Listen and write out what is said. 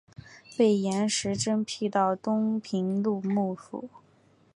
被严实征辟到东平路幕府。